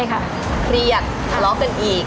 เครียดทะเลาะกันอีก